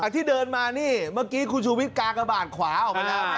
ที่เดินมานี่เมื่อกี้คุณชูวิทยกากบาทขวาออกมาแล้ว